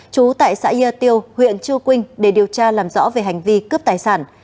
trú tại xã yatio huyện chiu quynh để điều tra làm rõ về hành vi cướp tài sản